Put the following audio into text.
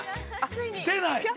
出ない。